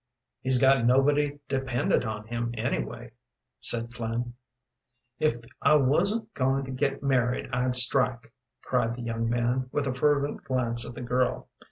"He's got nobody dependent on him, anyway," said Flynn. "If I wasn't going to get married I'd strike," cried the young man, with a fervent glance at the girl.